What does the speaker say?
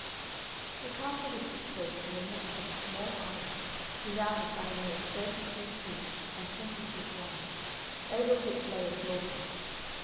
The castle was situated in the midst of a small island surrounded by a moat thirty feet deep and twenty feet wide, over which lay a drawbridge.